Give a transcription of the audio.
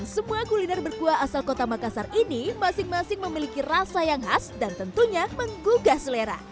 semua kuliner berkuah asal kota makassar ini masing masing memiliki rasa yang khas dan tentunya menggugah selera